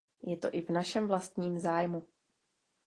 Je to i v našem vlastním zájmu.